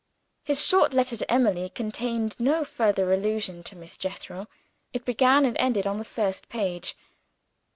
His short letter to Emily contained no further allusion to Miss Jethro; it began and ended on the first page.